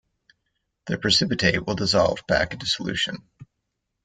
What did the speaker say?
The precipitate will dissolve back into solution.